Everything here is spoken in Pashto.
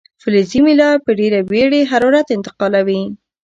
فلزي میله په ډیره بیړې حرارت انتقالوي.